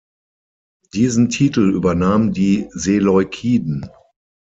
Diesen Titel übernahmen die Seleukiden.